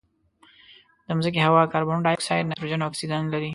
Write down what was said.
د مځکې هوا کاربن ډای اکسایډ، نایتروجن او اکسیجن لري.